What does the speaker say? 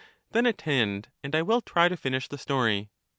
Then attend, and I will try to finish the story.